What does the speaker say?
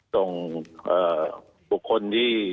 ส่งบุคคลที่